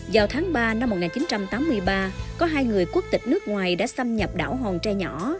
vào tháng ba năm một nghìn chín trăm tám mươi ba có hai người quốc tịch nước ngoài đã xâm nhập đảo hòn tre nhỏ